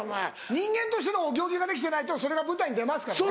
人間としてのお行儀ができてないとそれが舞台に出ますからね。